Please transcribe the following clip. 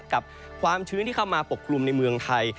กับความชื้นที่เข้ามาปกคลุมในเมืองไทย